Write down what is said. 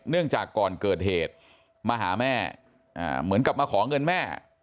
จากก่อนเกิดเหตุมาหาแม่เหมือนกับมาขอเงินแม่